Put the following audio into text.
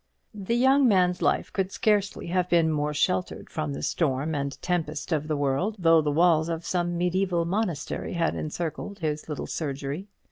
The young man's life could scarcely have been more sheltered from the storm and tempest of the world, though the walls of some mediæval monastery had encircled his little surgery.